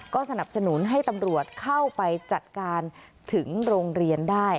ก็สนับสนุนให้ตำรวจเข้าไปจัดการถึงโรงเรียนได้